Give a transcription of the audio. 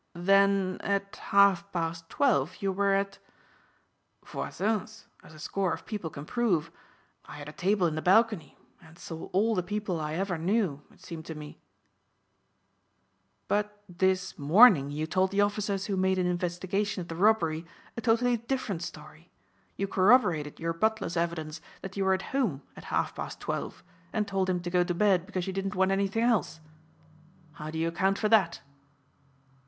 "Then at half past twelve you were at " "Voisin's as a score of people can prove. I had a table in the balcony and saw all the people I ever knew it seemed to me." "But this morning you told the officers who made an investigation of the robbery a totally different story. You corroborated your butler's evidence that you were at home at half past twelve and told him to go to bed because you didn't want anything else. How do you account for that?"